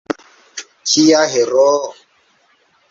Kia heroo!